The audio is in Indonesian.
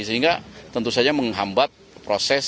sehingga tentu saja menghambat proses